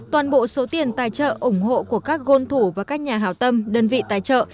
toàn bộ số tiền tài trợ ủng hộ của các gôn thủ và các nhà hảo tâm đơn vị tài trợ